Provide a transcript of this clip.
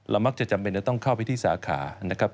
มักจะจำเป็นจะต้องเข้าไปที่สาขานะครับ